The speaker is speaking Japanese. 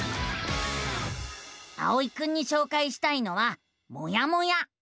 あおいくんにしょうかいしたいのは「もやモ屋」。